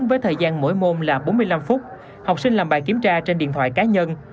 với thời gian mỗi môn là bốn mươi năm phút học sinh làm bài kiểm tra trên điện thoại cá nhân